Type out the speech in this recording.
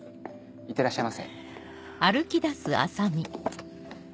いってらっしゃいませ。